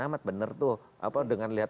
amat benar tuh dengan lihat